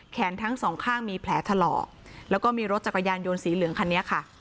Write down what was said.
ทั้งสองข้างมีแผลถลอกแล้วก็มีรถจักรยานยนต์สีเหลืองคันนี้ค่ะ